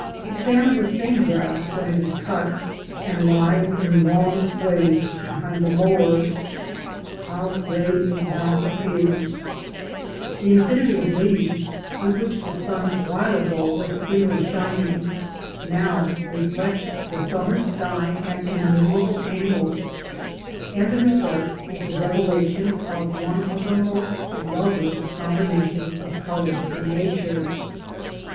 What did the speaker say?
Examine the same grass when it is cut and lies in long swathes behind the mower. How grey it now appears I The 72 I'Ht Ah lbR.WATH. y\<(i^\ !Hi; {'AIMINC. BY Al FkLI) bAST, A.R.A, GRASS. 73 infinity of leaves through which the sun awhile ago was freely shining, now reflects the summer sky at innumerable angles, and the result is the revelation of one of the most lovely combinations of colour in nature.